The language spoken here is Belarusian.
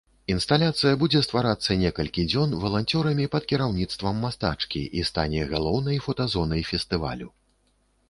Інсталяцыя будзе стварацца некалькі дзён валанцёрамі пад кіраўніцтвам мастачкі і стане галоўнай фотазонай фестывалю.